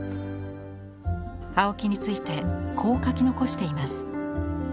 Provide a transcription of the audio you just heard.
青木についてこう書き残しています。